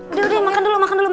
udah deh makan dulu makan dulu